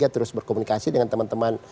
terus berkomunikasi dengan teman teman